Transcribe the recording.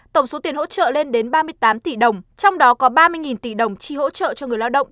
tổng số tiền hỗ trợ lên đến ba mươi tám tỷ đồng trong đó có ba mươi tỷ đồng chi hỗ trợ cho người lao động